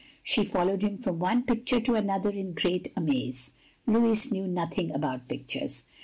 She followed him from one picture to another in great amaze. Louis knew nothing about pictures!